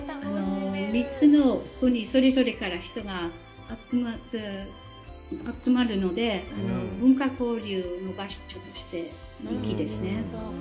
３つの国それぞれから人が集まるので、文化交流の場所として人気ですね。